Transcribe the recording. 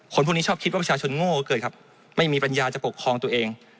คนพวกนี้ชอบคิดว่าประชาชนโง่เกิดครับไม่มีปัญญาจะปกครองตัวเอง